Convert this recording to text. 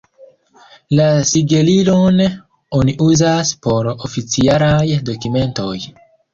La sigelilon oni uzas por oficialaj dokumentoj.